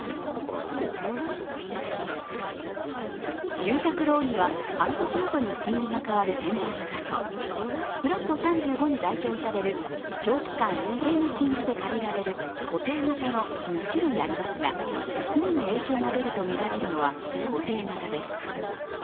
住宅ローンには半年ごとに金利が変わる変動型とフラット３５に代表される長期間一定の金利で借りられる固定型の２種類ありますが、すぐに影響が出るとみられるのは固定型です。